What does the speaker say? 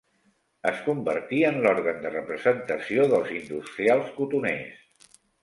Es convertí en l'òrgan de representació dels industrials cotoners.